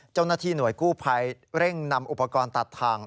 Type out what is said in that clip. เจ้าหน้าที่หน่วยกู้ภัยเร่งนำอุปกรณ์ตัดทาง